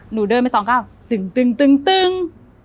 หนูเดินไปสองก้าวตึงตึงตึงตึง